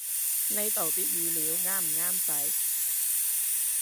呢度啲語料啱唔啱使